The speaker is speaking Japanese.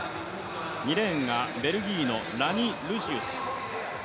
２レーンがベルギーのラニ・ルシウス。